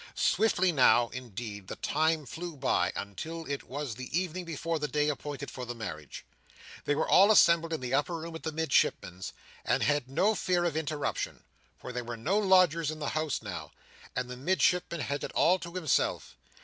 Swiftly now, indeed, the time flew by until it was the evening before the day appointed for the marriage. They were all assembled in the upper room at the Midshipman's, and had no fear of interruption; for there were no lodgers in the house now, and the Midshipman had it all to himself.